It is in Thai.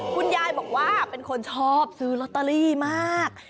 คุณยายบอกว่าเป็นคนชอบซื้อลอตเตอรี่มาก